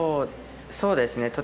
そうですね。